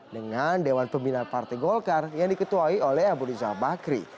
dengan dewan pembina partai golkar yang diketuai oleh abu rizal bakri